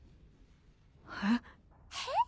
えっ？